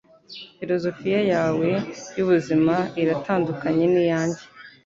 Filozofiya yawe yubuzima iratandukanye niyanjye